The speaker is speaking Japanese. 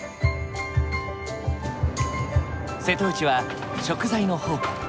瀬戸内は食材の宝庫。